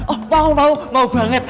oh mau mau banget